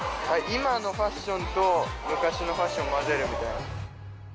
今のファッションと昔のファッションを混ぜるみたいな。